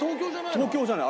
東京じゃない。